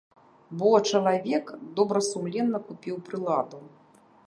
Бо чалавек добрасумленна купіў прыладу.